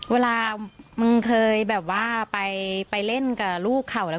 เมื่อเมื่อเคยไปเล่นกับลูกเขาแล้วนะฮะ